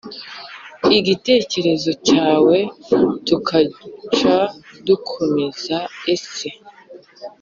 igitekerezo cyawe tugaca dukomeza ese